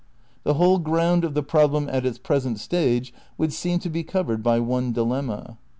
^ The whole ground of the problem at its present stage would seem to be covered by one dilemma.